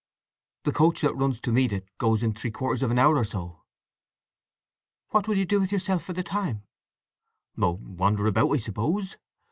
"The coach that runs to meet it goes in three quarters of an hour or so." "What will you do with yourself for the time?" "Oh—wander about, I suppose.